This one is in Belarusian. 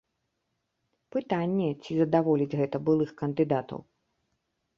Пытанне, ці задаволіць гэта былых кандыдатаў.